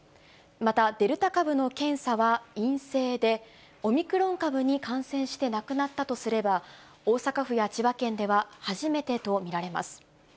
またデルタ株の検査は陰性で、オミクロン株に感染して亡くなったとすれば、大阪府や千葉県では初めてと見られます。